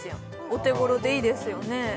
お手ごろでいいですよね